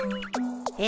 え？